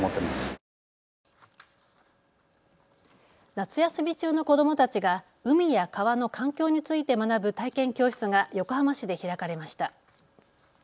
夏休み中の子どもたちが海や川の環境について学ぶ体験教室が横浜市で開かれました。